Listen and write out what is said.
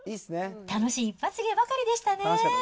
楽しい一発芸ばかりでしたね。